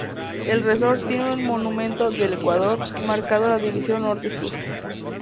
El resort tiene el monumento del ecuador, marcando la división norte-sur.